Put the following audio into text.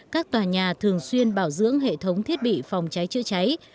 các tòa nhà thường xuyên bảo dưỡng hệ thống thiết bị phòng cháy chữa cháy